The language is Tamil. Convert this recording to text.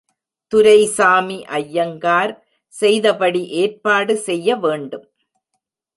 துரைசாமி ஐயங்கார் செய்தபடி ஏற்பாடு செய்ய வேண்டும்.